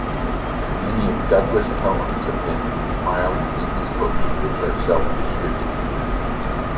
Many of Douglas' poems have been compiled in his books, which are self-distributed.